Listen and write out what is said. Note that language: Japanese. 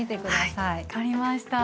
はい分かりました。